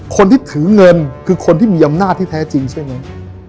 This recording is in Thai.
คนที่ถือเงินคือคนที่มีอำนาจที่แท้จริงใช่ไหม